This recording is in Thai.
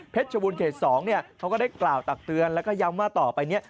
ชบูรณเขต๒เนี่ยเขาก็ได้กล่าวตักเตือนแล้วก็ย้ำว่าต่อไปเนี่ย